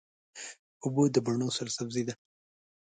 اوبه د بڼو سرسبزي ده.